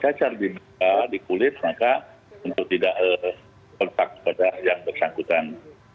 kalau sudah ada cacar di kulit maka tentu tidak terpak pada yang bersangkutan